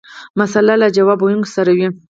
مساله له ځواب ویونکي سره وي.